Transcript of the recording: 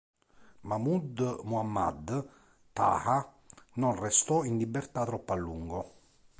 Mahmud Muhammad Taha non restò in libertà troppo a lungo.